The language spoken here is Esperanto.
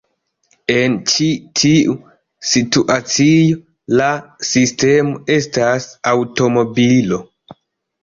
En ĉi tiu situacio, la sistemo estas aŭtomobilo.